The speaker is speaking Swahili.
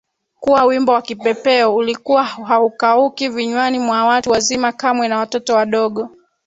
kuwa wimbo wa Kipepeo ulikuwa haukauki vinywani mwa watu wazima kamwe na watoto wadogo